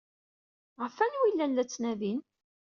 Ɣef wanwa i llan la ttnadin?